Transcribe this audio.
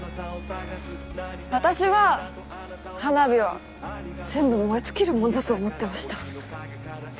私は花火は全部燃え尽きるもんだと思ってました。